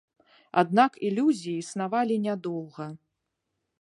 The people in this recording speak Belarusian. Аднак ілюзіі існавалі нядоўга.